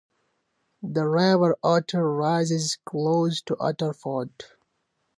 The River Otter rises close to Otterford.